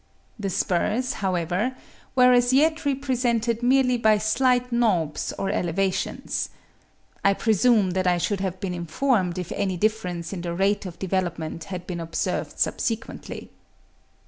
The spurs, however, were as yet represented merely by slight knobs or elevations. I presume that I should have been informed if any difference in the rate of development had been observed subsequently.)